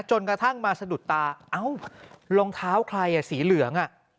จนกระทั่งมาสะดุดตาเอ้ารองเท้าใครสีเหลือง